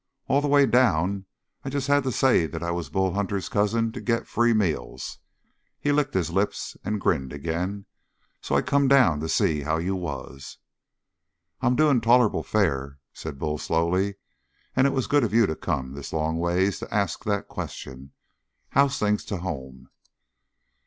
All the way down I just had to say that I was Bull Hunter's cousin to get free meals!" He licked his lips and grinned again. "So I come down to see how you was." "I'm doing tolerable fair," said Bull slowly, "and it was good of you to come this long ways to ask that question. How's things to home?"